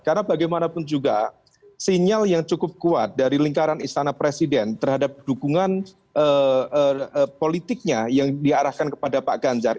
karena bagaimanapun juga sinyal yang cukup kuat dari lingkaran istana presiden terhadap dukungan politiknya yang diarahkan kepada pak ganjar